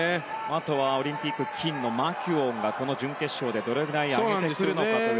あとはオリンピック金のマキュオンがこの準決勝でどれくらい上げてくるのか。